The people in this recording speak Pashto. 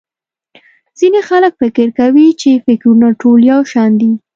ځينې خلک فکر کوي چې٫ فکرونه ټول يو شان دي.